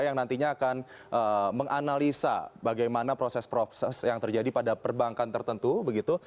yang nantinya akan menganalisa bagaimana proses proses yang terjadi pada perbankan tertentu begitu